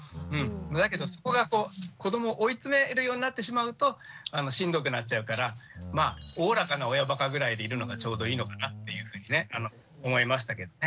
だけどそこがこう子どもを追い詰めるようになってしまうとしんどくなっちゃうからおおらかな親ばかぐらいでいるのがちょうどいいのかなっていうふうにね思いましたけどね。